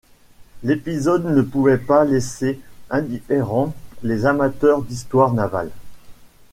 L'épisode ne pouvait pas laisser indifférents les amateurs d'histoire navale.